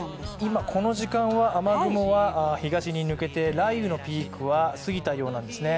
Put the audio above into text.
今、この時間は雨雲は東に抜けて雷雨のピークは過ぎたようなんですね。